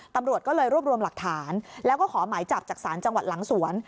ตำรวจก็เลยรวบรวมหลักฐานแล้วก็ขอหมายจับจากศาลจังหวัดหลังสวน